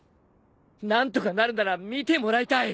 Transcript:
何とかなるなら診てもらいたい！